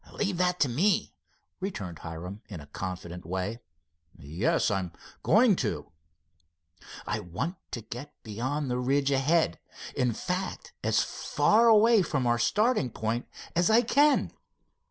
"Leave that to me," returned Hiram, in a confident way. "Yes, I'm going to." "I want to get beyond the ridge ahead—in fact, as far away from our starting point as I can."